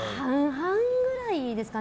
半々ぐらいですかね。